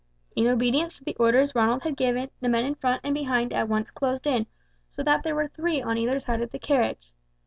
In obedience to the orders Ronald had given, the men in front and behind at once closed in, so that there were three on either side of the carriage.